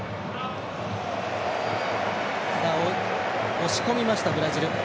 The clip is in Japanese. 押し込みました、ブラジル。